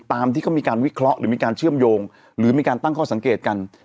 ตามที่เขามีการวิเคราะห์หรือมีการเชื่อมโยงหรือมีการตั้งข้อสังเกตกัน